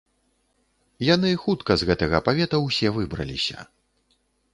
Яны хутка з гэтага павета ўсе выбраліся.